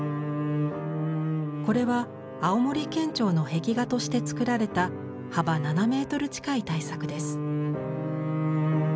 これは青森県庁の壁画として作られた幅７メートル近い大作です。